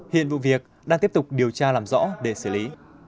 hiện vụ việc đang tiếp tục điều tra làm rõ để xử lý